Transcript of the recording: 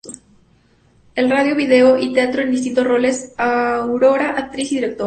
En radio, video y teatro en distintos roles: autora, actriz, directora.